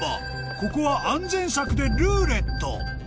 ここは安全策で「ルーレット」